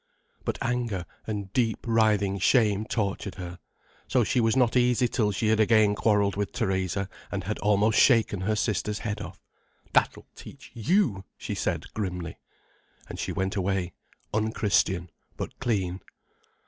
But anger, and deep, writhing shame tortured her, so she was not easy till she had again quarrelled with Theresa and had almost shaken her sister's head off. "That'll teach you," she said, grimly. And she went away, unchristian but clean.